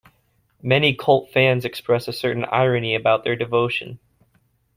Many cult fans express a certain irony about their devotion.